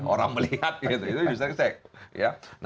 orang melihat itu industri seks